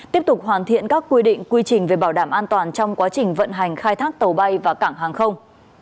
tiếp tục hoàn thiện các quy định quy trình về bảo đảm an toàn trong quá trình vận hành khai thác tàu bay và cảng hàng không